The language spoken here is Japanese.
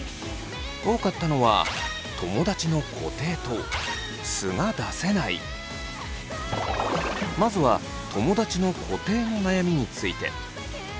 多かったのはまずは友だちの固定の悩みについて。